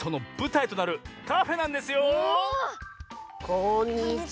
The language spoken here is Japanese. こんにちは！